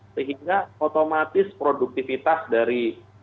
sehingga otomatis produktivitas dari